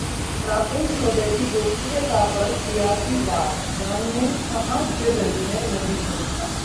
Rafale सौदे की गोपनीयता पर सियासी वार, जानिए कहां घिर रही है मोदी सरकार